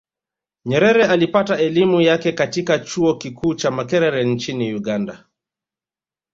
Nyerere alipata elimu yake katika chuo kikuu cha Makerere nchini Uganda